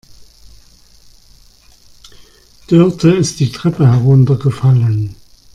Dörte ist die Treppe heruntergefallen.